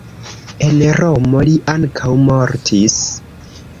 En Romo li ankaŭ mortis.